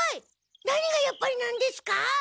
何が「やっぱり」なんですか？